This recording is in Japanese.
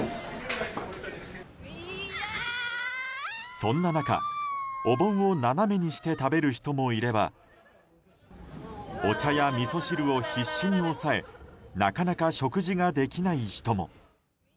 そんな中、お盆を斜めにして食べる人もいればお茶やみそ汁を必死に押さえなかなか食事ができない人も。